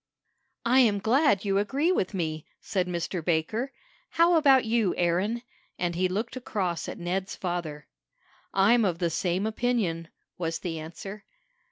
"I am glad you agree with me," said Mr. Baker. "How about you, Aaron?" and he looked across at Ned's father. "I'm of the same opinion," was the answer.